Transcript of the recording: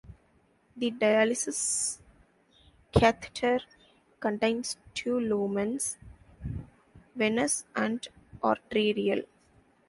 The dialysis catheter contains two lumens: venous and arterial.